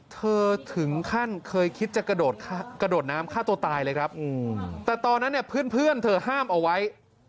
เธอถึงขั้นเคยคิดจะกระโดดน้ำฆ่าตัวตายเลยครับแต่ตอนนั้นเนี่ยเพื่อนเธอห้ามเอาไว้